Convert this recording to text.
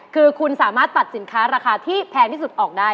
คือคุณสามารถตัดสินค้าราคาที่แพงที่สุดออกได้